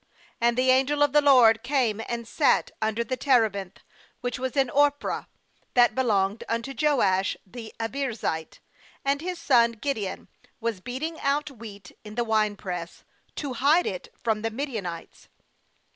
""And the angel of the LORD came, and sat under the terebinth which was in Ophrah, that belonged unto Joash the Abiezrite; and his son Gideon was beating ^ out wheat in the winepress, to hide it from the Midianites.